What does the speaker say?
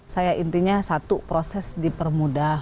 saya intinya satu proses dipermudah